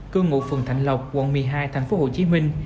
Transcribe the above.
cư ngụ phường thạnh lộc quận một mươi hai tp hcm